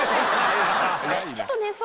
ちょっとね。